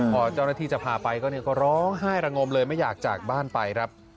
พอเจ้าหน้าที่จะพาไปก็ร้องไห้ระงมเลยไม่อยากจากบ้านไปครับ